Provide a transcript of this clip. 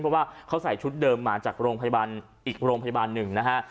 เพราะว่าเขาใส่ชุดเดิมมาจากโรงพยาบาลอีกโรงพยาบาลหนึ่งนะฮะ